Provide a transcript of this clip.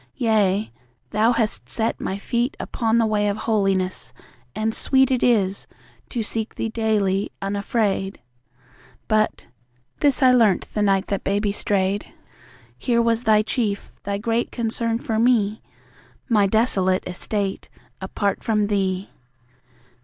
Yea, Thou hast set my feet Upon the way of holiness, and sweet It is, to seek Thee daily, unafraid ... But (this I learnt the night that Baby strayed) Here was Thy chief, Thy great concern for me: My desolate estate, apart from Thee!